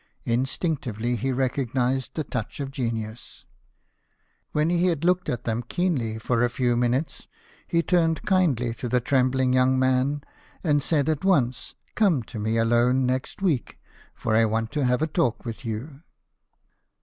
Instinctively he recognized the touch of genius. When he had looked at them keenly for a few minutes, he turned kindly to the trembling young man, and said at once, " Come to me alone next week, for I want to have a talk with you."